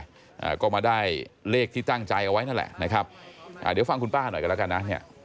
อ่าก็มาได้เลขที่ตั้งใจเอาไว้นั่นแหละนะครับอ่าเดี๋ยวฟังคุณป้าหน่อยกันแล้วกันนะเนี่ย